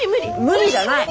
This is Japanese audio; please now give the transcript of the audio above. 無理じゃない！